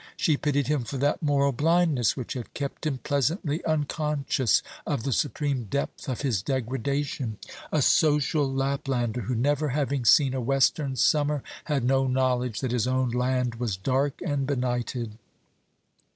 She pitied him for that moral blindness which had kept him pleasantly unconscious of the supreme depth of his degradation a social Laplander, who never having seen a western summer, had no knowledge that his own land was dark and benighted.